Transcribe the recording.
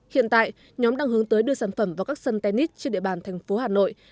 hiện tại nhóm đang hướng tới đưa sản phẩm vào các sân tennis trên địa bàn thành phố hà nội